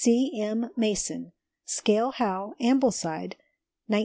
C. M. MASON. SCALE How, AMBLESIDE, 1905.